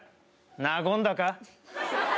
和んだか？